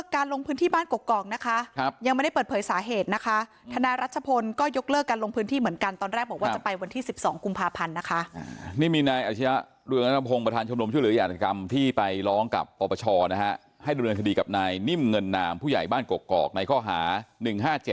กล่องนะคะครับยังไม่ได้เปิดเผยสาเหตุนะคะธนารัชพลก็ยกเลิกกันลงพื้นที่เหมือนกันตอนแรกบอกว่าจะไปวันที่สิบสองกุมภาพันธ์นะคะอ่านี่มีนายอาชญาเรืองรัฐพงศ์ประธานชมรมช่วยหรืออาหารกรรมที่ไปร้องกับประชานะฮะให้ดูเรื่องคดีกับนายนิ่มเงินนามผู้ใหญ่บ้านกกอกกอกในข้อหาหนึ่งห้าเจ